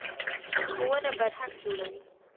ښوونه فرهنګ جوړوي.